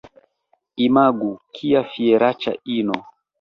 Imagu, kia fieraĉa ino!